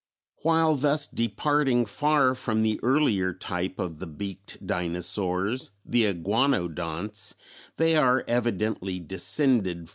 While thus departing far from the earlier type of the beaked dinosaurs (the Iguanodonts) they are evidently descended from them.